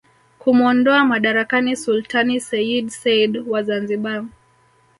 kumuondoa madarakani Sultani seyyid said wa Zanzibar